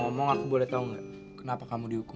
ngomong ngomong aku boleh tau gak kenapa kamu dihukum